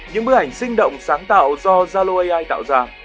những bức ảnh sinh động sáng tạo do zalo ai tạo ra